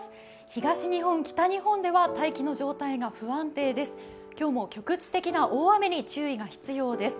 東日本、北日本では大気の状態が不安定です。